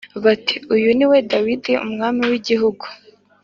bati “Uyu si we Dawidi umwami w’igihugu?